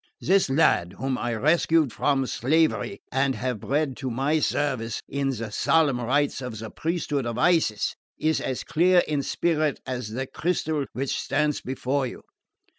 This lad, whom I rescued from slavery and have bred to my service in the solemn rites of the priesthood of Isis, is as clear in spirit as the crystal which stands before you.